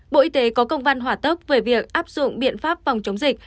bộ y tế có công văn hỏa tốc về việc áp dụng biện pháp phòng chống dịch